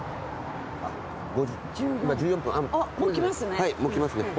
はいもう来ますね。